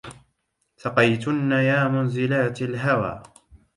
سقيتن يا منزلات الهوى